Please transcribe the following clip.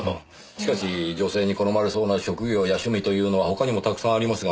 しかし女性に好まれそうな職業や趣味というのは他にもたくさんありますがねぇ。